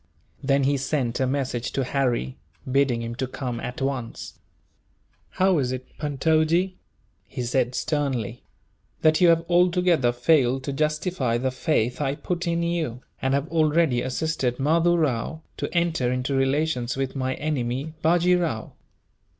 Then he sent a message to Harry, bidding him to come, at once. "How is it, Puntojee," he said sternly, "that you have altogether failed to justify the faith I put in you, and have already assisted Mahdoo Rao to enter into relations with my enemy, Bajee Rao?"